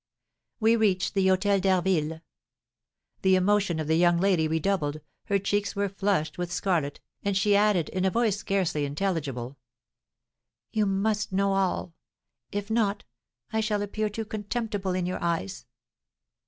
We reached the Hôtel d'Harville " The emotion of the young lady redoubled, her cheeks were flushed with scarlet, and she added, in a voice scarcely intelligible: "You must know all; if not, I shall appear too contemptible in your eyes.